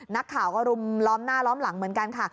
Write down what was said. นักข่าวก็รมหน้ารมหลังเหมือนกันค่ะ